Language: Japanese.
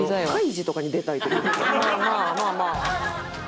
まあまあまあまあ。